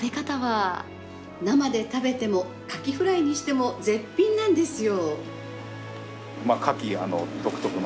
生で食べてもカキフライにしても絶品なんですよ。